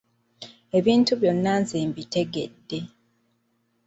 Ebintu byonna nze mbitegedde.